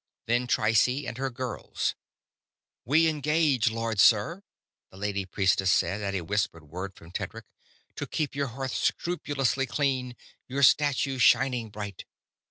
Then Trycie and her girls. "We engage, Lord Sir," the Lady Priestess said, at a whispered word from Tedric, "to keep your hearth scrupulously clean; your statue shining bright."